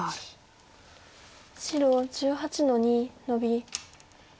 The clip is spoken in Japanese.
白１８の二ノビ。